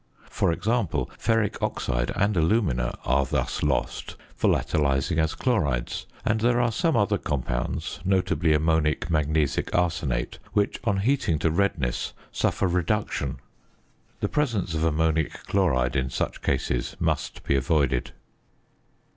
For example: ferric oxide and alumina are thus lost, volatilising as chlorides; and there are some other compounds (notably ammonic magnesic arsenate) which on heating to redness suffer reduction. The presence of ammonic chloride in such cases must be avoided.